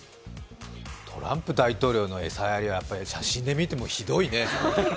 トランプ大統領の餌やりは写真で見てもひどいね。